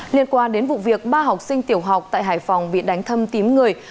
liên quan đến vụ việc ba học sinh tiểu học tại hải phòng bị đánh thâm tím người